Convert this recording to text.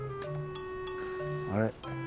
あれ？